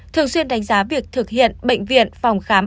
thường xuyên đánh giá việc thực hiện bệnh viện phòng khám